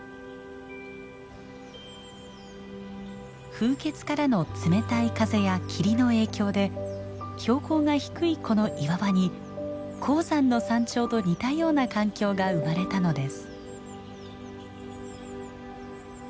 風穴からの冷たい風や霧の影響で標高が低いこの岩場に高山の山頂と似たような環境が生まれたのです。